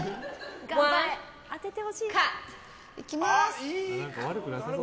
いきます！